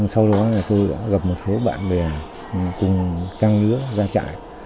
sau đó là tôi gặp một số bạn bè cùng trang lứa ra trại